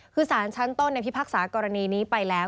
คือสารชั้นต้นในพิพากษากรณีนี้ไปแล้ว